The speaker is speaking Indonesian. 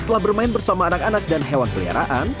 setelah bermain bersama anak anak dan hewan peliharaan